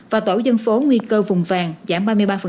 và tổ dân phố nguy cơ vùng vàng giảm ba mươi ba